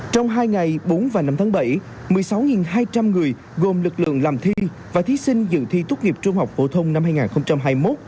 trong hai ngày bốn và năm tháng bảy một mươi sáu hai trăm linh người gồm lực lượng làm thi và thí sinh dự thi tốt nghiệp trung học phổ thông năm hai nghìn hai mươi một